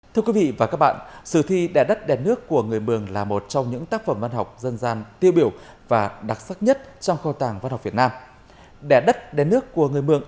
thưa quý vị và các bạn sử thi đẻ đất đẻ nước của người mường là một trong những tác phẩm văn học dân gian tiêu biểu và đặc sắc nhất trong câu tàng văn học việt nam